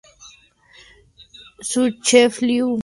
Su "chef-lieu", y prefectura del departamento, es la ciudad de Nevers.